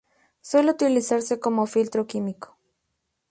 Suele utilizarse como filtro químico.